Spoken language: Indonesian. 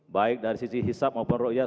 baik dari sisi hisab maupun ru'iyah